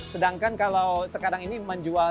sedangkan kalau sekarang ini menjual